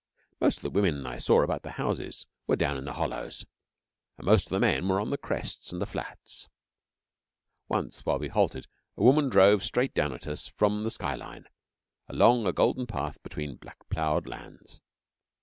Most of the women I saw about the houses were down in the hollows, and most of the men were on the crests and the flats. Once, while we halted a woman drove straight down at us from the sky line, along a golden path between black ploughed lands.